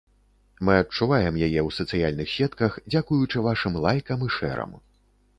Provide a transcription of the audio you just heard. Мы адчуваем яе ў сацыяльных сетках, дзякуючы вашым лайкам і шэрам.